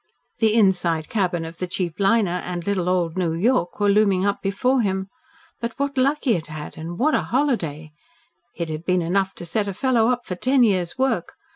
The inside cabin of the cheap Liner and "little old New York" were looming up before him. But what luck he had had, and what a holiday! It had been enough to set a fellow up for ten years' work.